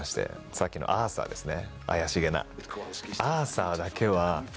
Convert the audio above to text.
さっきのアーサーですね